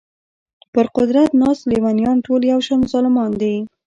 پر قدرت ناست لېونیان ټول یو شان ظالمان دي.